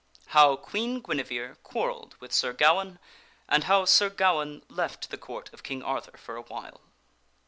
How Queen Guinevere Quarrelled With Sir Gawaine, and How Sir Gawaine Left the Court of King Arthur For a While.